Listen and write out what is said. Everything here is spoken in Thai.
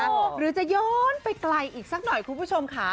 หรือจะย้อนไปไกลอีกสักหน่อยคุณผู้ชมค่ะ